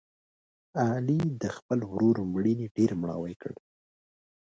علي د خپل ورور مړینې ډېر مړاوی کړ.